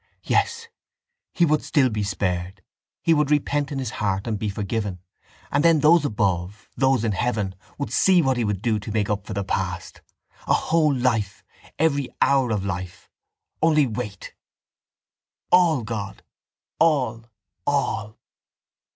Ah yes, he would still be spared; he would repent in his heart and be forgiven; and then those above, those in heaven, would see what he would do to make up for the past: a whole life, every hour of life. Only wait. —All, God! All, all!